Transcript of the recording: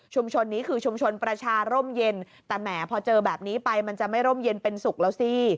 นี้คือชุมชนประชาร่มเย็นแต่แหมพอเจอแบบนี้ไปมันจะไม่ร่มเย็นเป็นสุขแล้วสิ